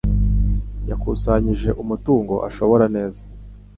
Yakusanyije umutungo ashora neza.